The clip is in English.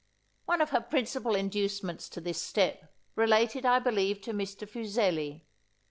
One of her principal inducements to this step, related, I believe, to Mr. Fuseli.